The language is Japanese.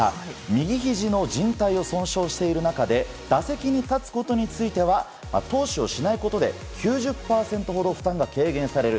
右ひじのじん帯を損傷している中で、打席に立つことについては、投手をしないことで９０％ほど負担が軽減される。